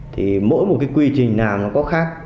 thì mỗi một cái quy trình nào nó có khác